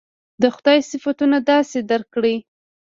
د خدای صفتونه داسې درک کړي.